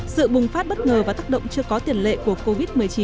sự bùng phát bất ngờ và tác động chưa có tiền lệ của covid một mươi chín